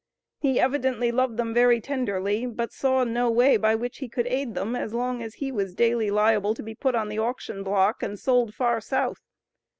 He evidently loved them very tenderly, but saw no way by which he could aid them, as long as he was daily liable to be put on the auction block and sold far South.